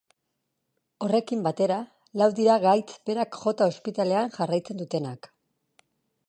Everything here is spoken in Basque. Horrekin batera, lau dira gaitz berak jota ospitalean jarraitzen dutenak.